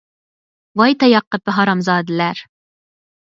ۋاي تاياق قېپى ھازامزادىلەر!